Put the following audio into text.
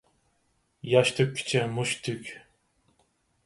ياش تۆككىچە مۇشت تۈگ.